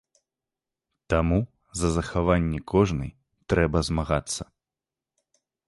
Таму за захаванне кожнай трэба змагацца.